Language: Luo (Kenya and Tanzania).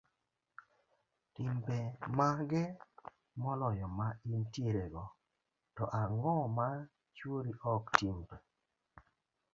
timbe mage moloyo ma intierego, to ang'o ma chuori ok timni?